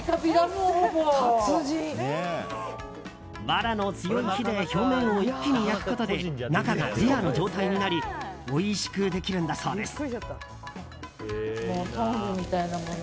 わらの強い火で表面を一気に焼くことで中がレアな状態になりおいしくできるんだそうです。